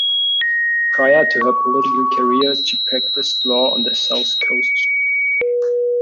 Prior to her political career, she practiced law on the South Coast.